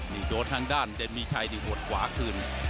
นี่โดนทางด้านเด่นมีชัยนี่หดขวาคืน